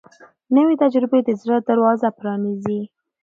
نوې تجربه د زړه دروازه پرانیزي